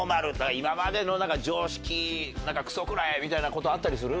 今までの常識クソ食らえみたいなことあったりする？